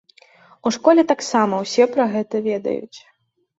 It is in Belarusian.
У школе таксама ўсе пра гэта ведаюць.